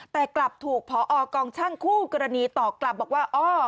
แต่กลับถูกพอกองช่างคู่กรณีตอบกลับบอกว่า